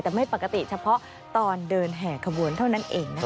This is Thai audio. แต่ไม่ปกติเฉพาะตอนเดินแห่ขบวนเท่านั้นเองนะคะ